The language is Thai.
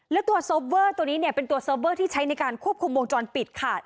แล้วตัวเซิร์ฟเวอร์ตัวนี้เนี่ยเป็นตัวเซิร์ฟเวอร์ที่ใช้ในการควบคุมวงจรปิดค่ะ